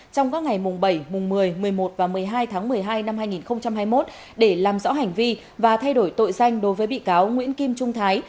trong các ngày mùng bảy mùng một mươi một mươi một và một mươi hai tháng một mươi hai năm hai nghìn hai mươi một để làm rõ hành vi và thay đổi tội danh đối với bị cáo nguyễn kim trung thái